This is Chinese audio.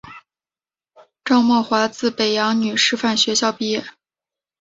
赵懋华自北洋女师范学校毕业。